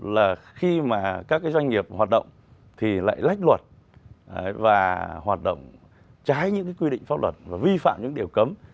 là khi mà các doanh nghiệp hoạt động thì lại lách luật và hoạt động trái những cái quy định pháp luật và vi phạm những điều cấm